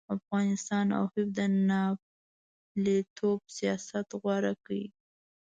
افغانستان او هند د ناپېلتوب سیاست غوره کړ.